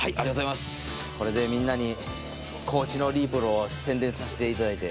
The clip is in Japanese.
これでみんなに高知のリープルを宣伝させていただいて。